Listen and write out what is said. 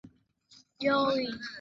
Kilio chao kimesikika.